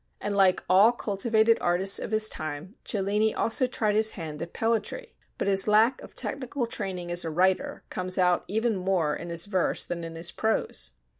And like all cultivated artists of his time Cellini also tried his hand at poetry; but his lack of technical training as a writer comes out even more in his verse than in his prose.